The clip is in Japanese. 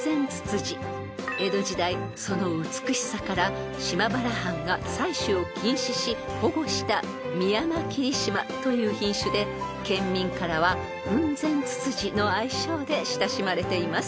［江戸時代その美しさから島原藩が採取を禁止し保護したミヤマキリシマという品種で県民からは雲仙ツツジの愛称で親しまれています］